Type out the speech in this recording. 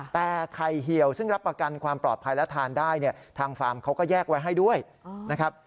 แต่ไข่เหี่ยวซึ่งรับประกันความปลอดภัยและทานได้เนี่ยทางฟาร์มเขาก็แยกไว้ให้ด้วยนะครับ